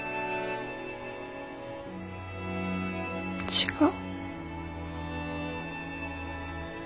違う。